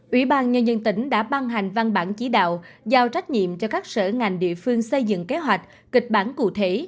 ubnd đã ban hành văn bản chỉ đạo giao trách nhiệm cho các sở ngành địa phương xây dựng kế hoạch kịch bản cụ thể